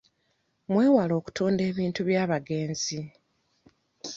Mwewale okutunda ebintu by'abagenzi.